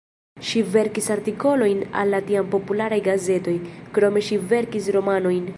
Ŝi verkis artikolojn al la tiam popularaj gazetoj, krome ŝi verkis romanojn.